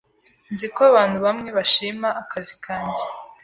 Nzi ko abantu bamwe bashima akazi kanjye.